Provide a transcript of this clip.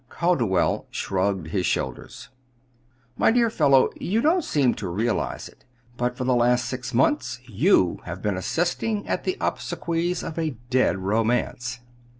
Calderwell shrugged his shoulders. "My dear fellow, you don't seem to realize it, but for the last six months you have been assisting at the obsequies of a dead romance."